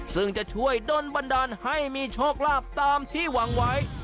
ซึ่งจะช่วยดนบันดาลให้มีโชคลาภตามที่หวังไว้